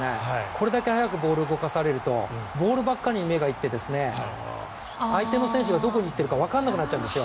これだけ速くボールを動かされるとボールばかりに目が行って相手の選手がどこに行ってるかわからなくなっちゃうんです。